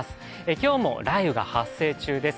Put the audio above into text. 今日も雷雨が発生中です